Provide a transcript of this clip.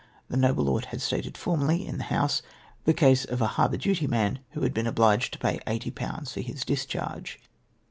Tiie noble lord had stated formerly in the House the case of a harbour duty man who had been obliged to pay 80/. for his discharge.